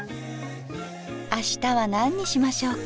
あしたは何にしましょうか。